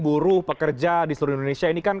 buruh pekerja di seluruh indonesia ini kan